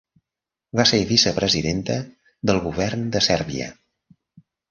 Va ser vicepresidenta del govern de Sèrbia.